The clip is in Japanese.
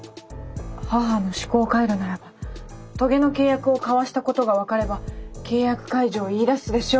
母の思考回路ならば棘の契約を交わしたことが分かれば契約解除を言いだすでしょう。